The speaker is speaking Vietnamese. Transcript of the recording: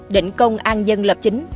định công an dân lập chính